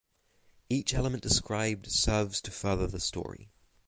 Each element described serves to further the story.